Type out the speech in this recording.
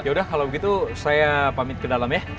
yaudah kalau begitu saya pamit ke dalam ya